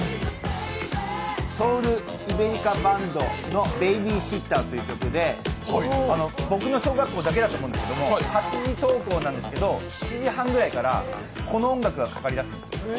ソウル・イベリカ・バンドの「ベイビーシッター」という曲で僕の小学校だけだと思うんですけど、８時登校なんですけど、７時半ぐらいからこの音楽がかかり始めるんです。